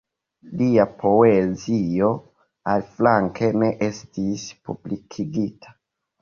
Lia poezio, aliflanke, ne estis publikigita.